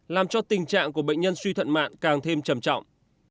làm cho tình trạng của bệnh nhân suy thận mạng càng thêm trầm trọng